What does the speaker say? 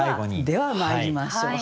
ではまいりましょう。